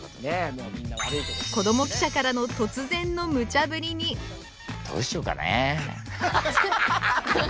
子ども記者からの突然のムチャぶりにどうしようかねえ。